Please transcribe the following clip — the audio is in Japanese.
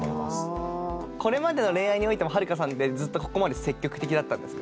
これまでの恋愛においてもはるかさんってここまで積極的だったんですか？